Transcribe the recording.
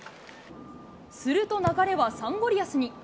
すると流れはサンゴリアスに。